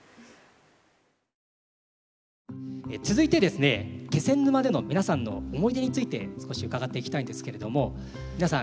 続いてですね気仙沼での皆さんの思い出について少し伺っていきたいんですけれども皆さん